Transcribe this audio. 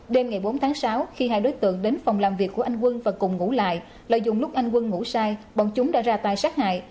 đêm ngày bốn tháng sáu khi hai đối tượng đến phòng làm việc của anh quân và cùng ngủ lại lợi dụng lúc anh quân ngủ sai bọn chúng đã ra tay sát hại